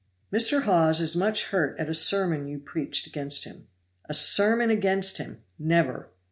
"Mr. Hawes is much hurt at a sermon you preached against him." "A sermon against him never!"